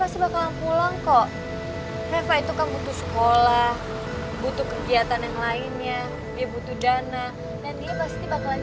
saper aslinya allah